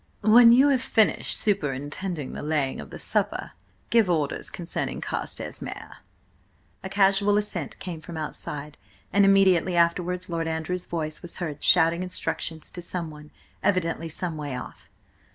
"When you have finished superintending the laying of the supper, give orders concerning Carstares' mare!" A casual assent came from outside, and immediately afterwards Lord Andrew's voice was heard shouting instructions to someone, evidently some way off.